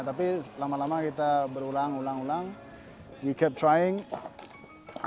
tapi lama lama kita berulang ulang kita terus mencoba